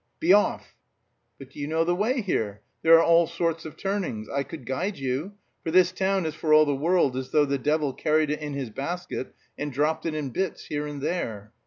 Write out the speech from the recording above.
"Be off!" "But do you know the way here? There are all sorts of turnings.... I could guide you; for this town is for all the world as though the devil carried it in his basket and dropped it in bits here and there."